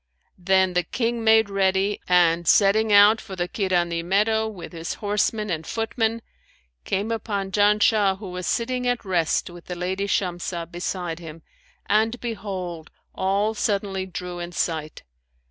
Then the King made ready, and, setting out for the Kirani meadow with his horsemen and footmen, came upon Janshah who was sitting at rest with the lady Shamsah beside him and, behold, all suddenly drew in sight.